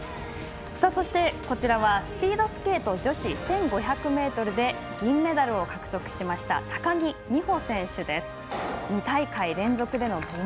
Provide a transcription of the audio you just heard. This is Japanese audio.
そして、こちらはスピードスケート女子１５００ｍで銀メダルを獲得しました高木美帆選手です。